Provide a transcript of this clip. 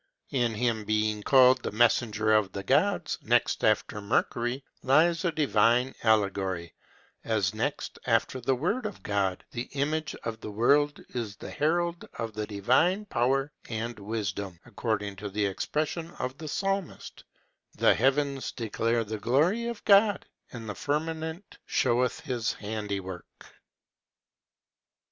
In his being called the messenger of the gods, next after Mercury, lies a divine allegory, as next after the Word of God, the image of the world is the herald of the Divine power and wisdom, according to the expression of the Psalmist: "The heavens declare the glory of God, and the firmament showeth his handiwork."